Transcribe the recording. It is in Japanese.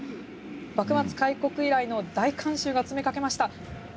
幕末開国以来の大観衆が詰めかけました。